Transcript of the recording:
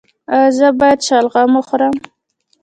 ایا زه باید شلغم وخورم؟